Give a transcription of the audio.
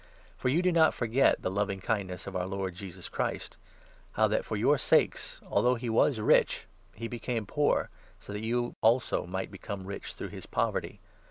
For you do not forget the loving kindness of our 9 Lord Jesus Christ — how that for your sakes, although he was rich, he became poor, so that you also might become rich through his poverty.